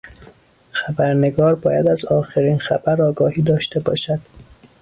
خبرنگار باید از آخرین خبر آگاهی داشته باشد.